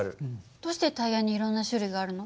どうしてタイヤにいろんな種類があるの？